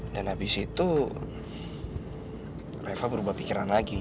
dan habis itu reva berubah pikiran lagi